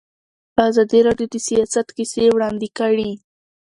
ازادي راډیو د سیاست کیسې وړاندې کړي.